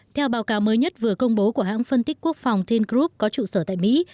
theo báo cáo mới nhất vừa công bố của hãng phân tích quốc phòng ting group có trụ sở tại mỹ